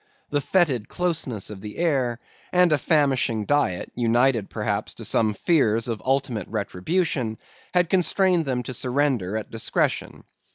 The fetid closeness of the air, and a famishing diet, united perhaps to some fears of ultimate retribution, had constrained them to surrender at discretion.